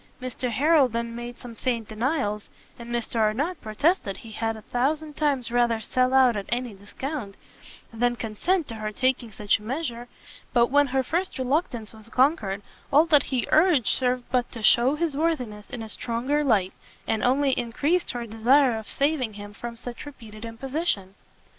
Mr Harrel then made some faint denials, and Mr Arnott protested he had a thousand times rather sell out at any discount, than consent to her taking such a measure; but, when her first reluctance was conquered, all that he urged served but to shew his worthiness in a stronger light, and only increased her desire of saving him from such repeated imposition.